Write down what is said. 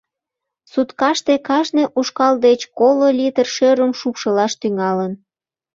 Суткаште кажне ушкал деч коло литр шӧрым шупшылаш тӱҥалын.